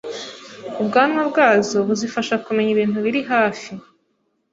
ubwanwa bwazo buzifasha kumenya ibintu biri hafi